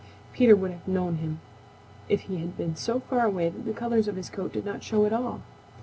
Peter would have known him if he had been so far away that the colors of his coat did not show at all.